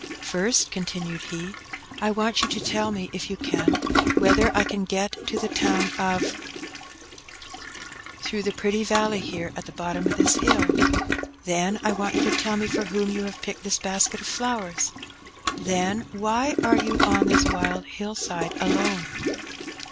"First," continued he, "I want you to tell me, if you can, whether I can get to the town of —, through the pretty valley here at the bottom of this hill? Then, I want you to tell me for whom you have picked this basket of flowers? Then, why you are on this wild hill side alone?